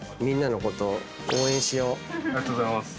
ありがとうございます。